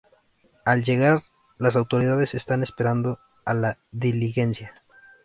Al llegar, las autoridades están esperando a la diligencia.